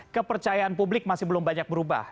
kepercayaan publik masih belum banyak berubah